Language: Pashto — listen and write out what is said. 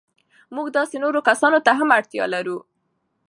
موږ داسې نورو کسانو ته هم اړتیا لرو.